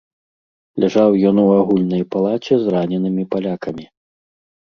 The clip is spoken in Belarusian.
Ляжаў ён у агульнай палаце з раненымі палякамі.